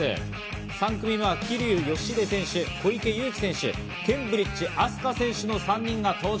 ３組目は桐生祥秀選手、小池祐貴選手、ケンブリッジ飛鳥選手の３人が登場。